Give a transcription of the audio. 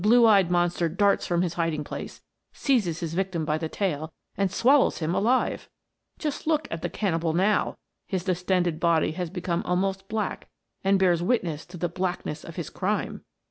THE MERMAID'S HOME. 117 the blue eyed monster darts from his hiding place, seizes his victim by the tail, and swallows him alive ! Just look at the cannibal now ; his distended body has become almost black, and bears witness to the blackness of his crime